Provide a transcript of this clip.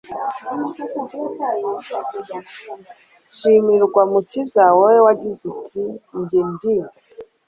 r/ shimirwa mukiza wowe wagize uti njye ndi